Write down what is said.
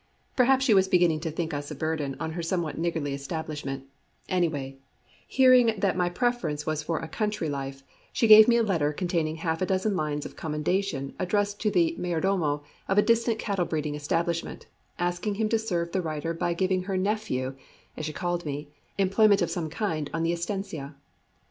Perhaps she was beginning to think us a burden on her somewhat niggardly establishment; anyway, hearing that my preference was for a country life, she gave me a letter containing half a dozen lines of commendation addressed to the Mayordomo of a distant cattle breeding establishment, asking him to serve the writer by giving her nephew as she called me employment of some kind on the estancia.